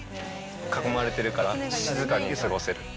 囲まれてるから、静かに過ごせる。